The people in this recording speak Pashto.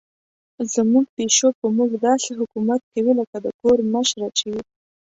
زموږ پیشو په موږ داسې حکومت کوي لکه د کور مشره چې وي.